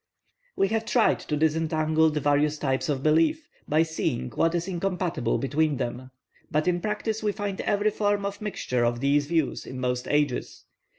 We have tried to disentangle the diverse types of belief, by seeing what is incompatible between them. But in practice we find every form of mixture of these views in most ages.